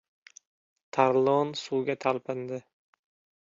Tarlon suvga talpindi.